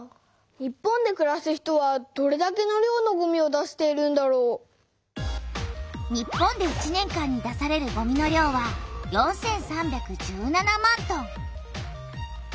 日本でくらす人はどれだけの量のごみを出しているんだろう？日本で１年間に出されるごみの量は４３１７万トン。